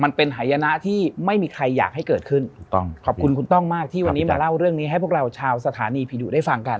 มันเป็นหายนะที่ไม่มีใครอยากให้เกิดขึ้นถูกต้องขอบคุณคุณต้องมากที่วันนี้มาเล่าเรื่องนี้ให้พวกเราชาวสถานีผีดุได้ฟังกัน